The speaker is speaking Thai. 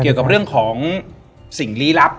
เกี่ยวกับเรื่องของสิ่งลี้ลับ